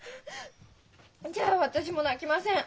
じゃあ私も泣きません！